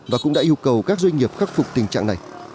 và cũng đã yêu cầu các doanh nghiệp khắc phục tình trạng này